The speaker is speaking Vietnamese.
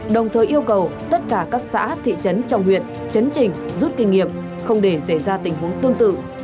đồng thời yêu cầu tất cả các xã thị trấn trong huyện chấn trình rút kinh nghiệm không để xảy ra tình huống tương tự